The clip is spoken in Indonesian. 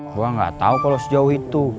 gue gak tau kalau sejauh itu